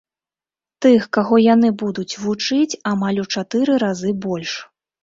Тых, каго яны будуць вучыць, амаль у чатыры разы больш.